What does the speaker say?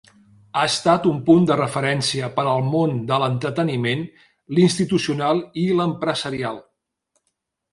Ha estat un punt de referència per al món de l'entreteniment, l'institucional i l'empresarial.